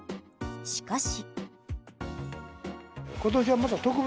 しかし。